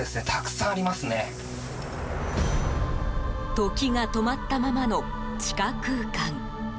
時が止まったままの地下空間。